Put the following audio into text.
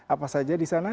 apa saja di sana